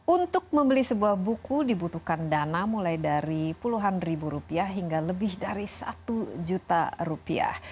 untuk membeli sebuah buku dibutuhkan dana mulai dari puluhan ribu rupiah hingga lebih dari satu juta rupiah